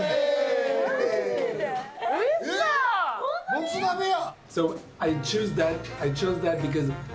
もつ鍋や。